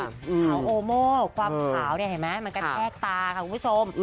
เผาโอโม่ความเผาเนี่ยเห็นมั้ยมันก็แทกตาค่ะคุณผู้ชม